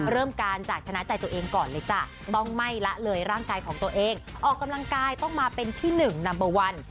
เริ่มการจากชนะใจตัวเองก่อนเลยจ้ะต้องไม่ละเลยร่างกายของตัวเองออกกำลังกายต้องมาเป็นที่หนึ่งนัมเบอร์วัน